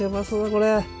これ。